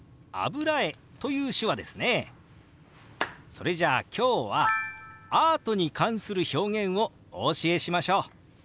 それじゃあ今日はアートに関する表現をお教えしましょう！